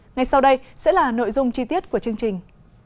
ngay sau đây sẽ là nội dung chi tiết của chương trình